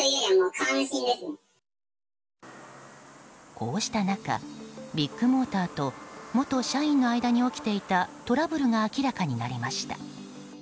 こうした中、ビッグモーターと元社員の間に起きていたトラブルが明らかになりました。